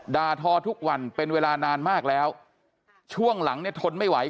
ทอทุกวันเป็นเวลานานมากแล้วช่วงหลังเนี่ยทนไม่ไหว